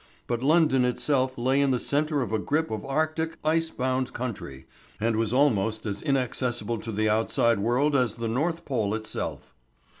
But London itself lay in the centre of a grip of Arctic, ice bound country, and was almost as inaccessible to the outside world as the North Pole itself.